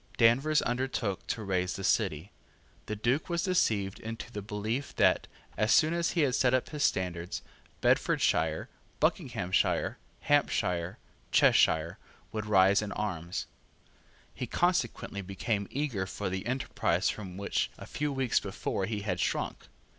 Danvers undertook to raise the City. The Duke was deceived into the belief that, as soon as he set up his standard, Bedfordshire, Buckinghamshire, Hampshire, Cheshire would rise in arms. He consequently became eager for the enterprise from which a few weeks before he had shrunk.